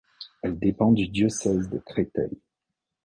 Elle dépend du diocèse de Créteil.